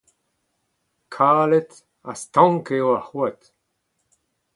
Kalet ha stank eo ar c'hoad.